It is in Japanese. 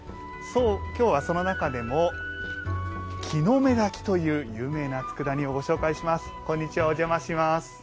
きょうは、その中でも木の芽煮という有名なつくだ煮をご紹介します。